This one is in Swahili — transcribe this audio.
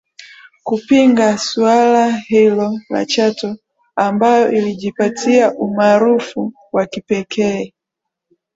kupinga suala hilo la Chato ambayo ilijipatia umaarufu wa kipekee